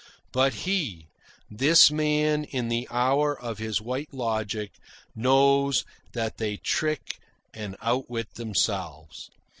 But he, this man in the hour of his white logic, knows that they trick and outwit themselves.